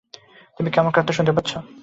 তুই কি আমার কথা শুনতে পাচ্ছিস?